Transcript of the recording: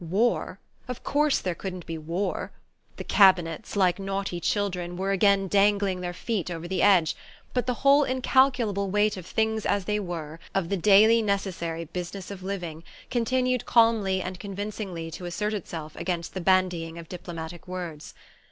War? Of course there couldn't be war! The Cabinets, like naughty children, were again dangling their feet over the edge; but the whole incalculable weight of things as they were, of the daily necessary business of living, continued calmly and convincingly to assert itself against the bandying of diplomatic words.